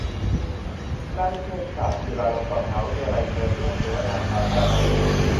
คณะนิเทศศาสตร์ จุฬาลงกรณ์มหาวิทยาลัย เชิญร่วมเสวนาสาธารณะ